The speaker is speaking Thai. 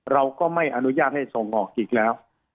เราก็ไม่อนุญาตให้ส่งออกอีกแล้ว